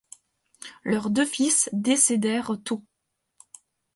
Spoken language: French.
Leurs deux fils décédèrent tôt.